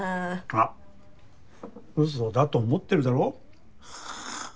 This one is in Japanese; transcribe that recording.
あウソだと思ってるだろ？